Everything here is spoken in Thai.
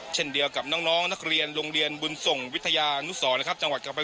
เช่นเดียวกับน้องนักเรียนโรงเรียนบุญส่งวิทยานุสรนะครับ